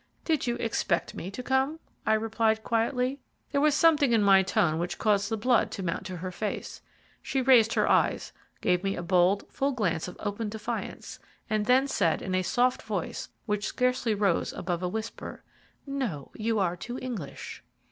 "Did you expect me to come?" I replied quietly. There was something in my tone which caused the blood to mount to her face. She raised her eyes, gave me a bold, full glance of open defiance, and then said, in a soft voice, which scarcely rose above a whisper: "No, you are too English."